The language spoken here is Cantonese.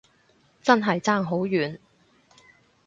真係爭好遠